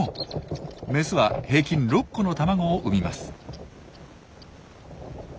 メスは平均６個の卵を産みます。